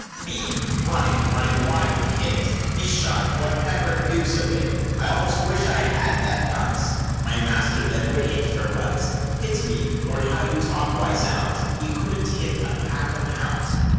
"Me! running running wide and hit! Me shot! what, pepper'd? Deuce a bit! I almost wish I had! That Dunce, My master, then would hit for once! Hit me! Lord, how you talk! why, zounds! He couldn't hit a pack of hounds!"